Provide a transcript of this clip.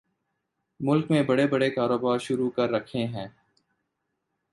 ملک میں بڑے بڑے کاروبار شروع کر رکھے ہیں